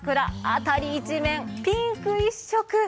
辺り一面、ピンク一色。